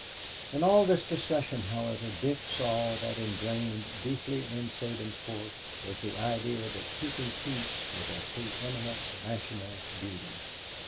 In all this discussion, however, Dick saw that ingrained deeply in Sabinsport was the idea that keeping peace was a preëminent national duty.